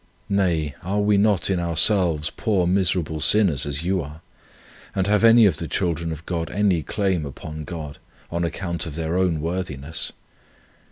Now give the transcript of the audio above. Nay, are we not in ourselves poor miserable sinners as you are; and have any of the children of God any claim upon God, on account of their own worthiness?